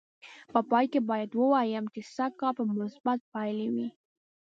په پای کې باید ووایم چې سږ کال به مثبتې پایلې وې.